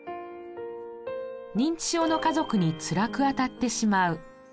認知症の家族につらくあたってしまう。